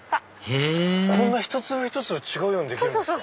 へぇこんな一粒一粒違うようにできるんですか？